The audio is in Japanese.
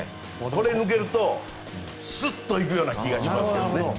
これを抜けるとスッと行くような気がしますね。